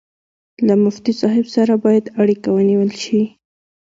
له مفتي صاحب سره باید اړیکه ونیول شي.